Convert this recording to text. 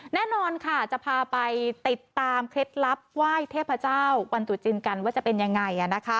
แน่นอนค่ะจะพาไปติดตามเคล็ดลับไหว้เทพเจ้าวันตุจินกันว่าจะเป็นยังไง